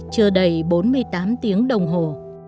trưa đầy bốn mươi tám tiếng đồng hồ